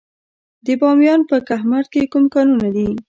د بامیان په کهمرد کې کوم کانونه دي؟